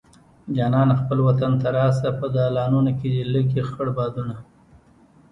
جانانه خپل وطن ته راشه په دالانونو کې دې لګي خړ بادونه